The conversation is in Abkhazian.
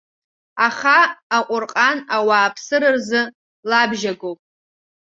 Аха Аҟәырҟан, ауааԥсыра рзы лабжьагоуп.